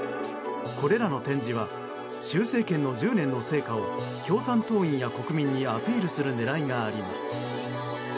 これらの展示は習政権の１０年の成果を共産党員や国民にアピールする狙いがあります。